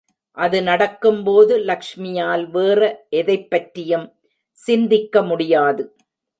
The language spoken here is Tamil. அது நடக்கும்போது லக்ஷ்மியால் வேற எதைப்பற்றியும் சிந்திக்க முடியாது.